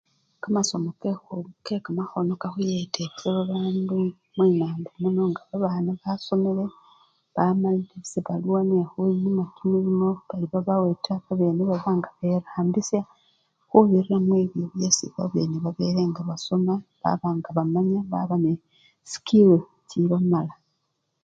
Kamasomu kekhu! kekamakhono kakhuyeta efwe abandu mwinambo lino nga babana basomele bamalile, sebaluwa nekhyencha kimilimo bali babawe taa, babene babanga berambisya khubirira mwibyo byesi babene babele nga basoma baba ngabamanya baba nende chisikilu chibamala.